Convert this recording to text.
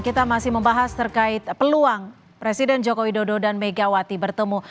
kita masih membahas terkait peluang presiden joko widodo dan megawati bertemu